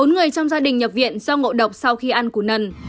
bốn người trong gia đình nhập viện do ngộ độc sau khi ăn củ nần